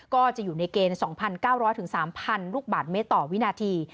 ก็จะอยู่ในเกณฑ์๒๙๐๐๓๐๐ลูกบาทเมตรต่อวินาที